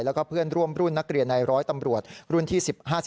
แล้วก็เพื่อนร่วมรุ่นนักเรียนในร้อยตำรวจรุ่นที่๑๕๑